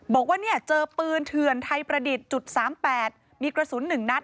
บอกว่าเนี่ยเจอปืนเถื่อนไทยประดิษฐ์จุด๓๘มีกระสุน๑นัด